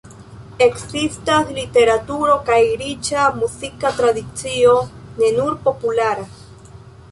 Ekzistas literaturo kaj riĉa muzika tradicio, ne nur populara.